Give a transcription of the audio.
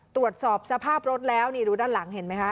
ตรวจสอบสภาพรถแล้วนี่ดูด้านหลังเห็นไหมคะ